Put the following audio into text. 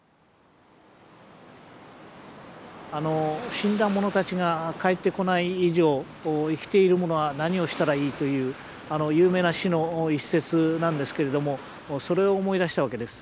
死んだ者たちが帰ってこない以上生きている者は何をしたらいいという有名な詩の一節なんですけれどもそれを思い出したわけです。